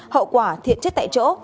hậu quả thiện chết tại chỗ